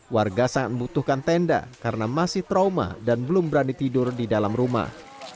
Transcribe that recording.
warga sangat membutuhkan tenda karena masih trauma dan belum berani tidur di dalam rumah